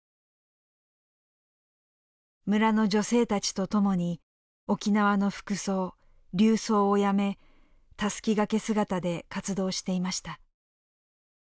村の女性たちと共に沖縄の服装琉装をやめたすき掛け姿で活動していました。